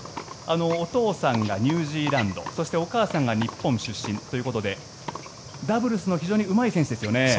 お父さんがニュージーランドそしてお母さんが日本出身ということでダブルスの非常にうまい選手ですよね。